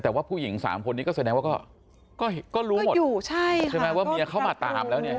แต่ว่าผู้หญิงสามคนนี้ก็แสดงว่าก็รู้หมดใช่ไหมว่าเมียเขามาตามแล้วเนี่ย